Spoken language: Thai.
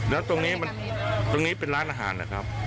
แล้วตรงนี้เป็นร้านอาหารเหรอครับ